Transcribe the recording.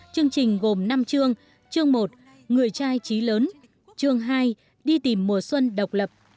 chương trình gồm năm chương chương một người trai trí lớn chương hai đi tìm mùa xuân độc lập